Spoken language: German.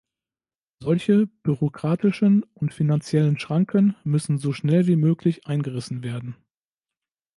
Solche bürokratischen und finanziellen Schranken müssen so schnell wie möglich eingerissen werden.